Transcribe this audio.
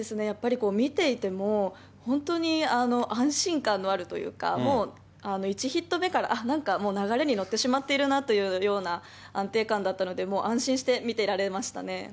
やっぱり見ていても、本当に安心感のあるというか、もう１ヒット目からあっ、なんかもう流れに乗ってしまっているなというような安定感だったので、もう安心して見ていられましたね。